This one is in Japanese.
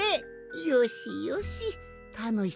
よしよしたのし